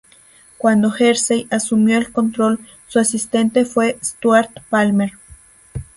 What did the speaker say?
Cuando Hersey asumió el control, su asistente fue Stuart Palmer.